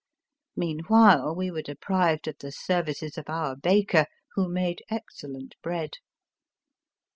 Meanwhile we were deprived of the services of our baker, who made excellent bread.